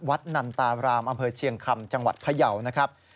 วัดนันตารามอเชียงคำจังหวัดพะเยาว์นะครับ